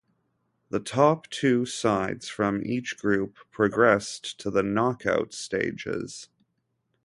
The top two sides from each group progressed to the knockout stages.